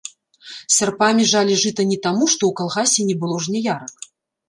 Сярпамі жалі жыта не таму, што ў калгасе не было жняярак.